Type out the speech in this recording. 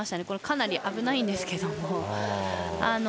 これはかなり危ないんですけども。